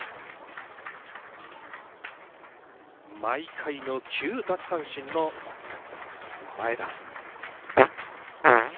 毎回の９奪三振の前田。